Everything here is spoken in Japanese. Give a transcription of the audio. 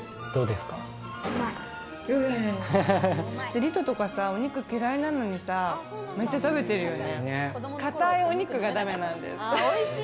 理人とかさ、お肉嫌いなのにさ、めっちゃ食べてるよね。